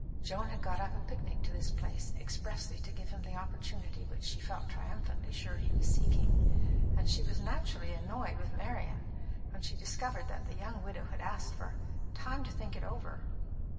Joan had got up a picnic to this place expressly to give him the opportunity which she felt triumphantly sure he was seeking, and she was naturally annoyed with Marian when she discovered that the young widow had asked for "time to think it over."